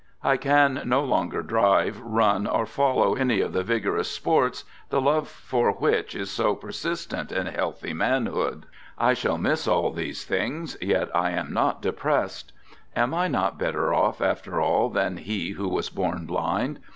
I can no longer drive, run, or follow any of the vigorous sports, the love for which is so persistent in healthy manhood. I shall miss all these things, yet I am not depressed. Am I not better off, after all, than he who was born blind?